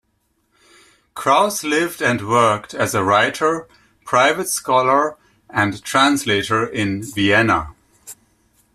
Krauss lived and worked as a writer, private scholar, and translator in Vienna.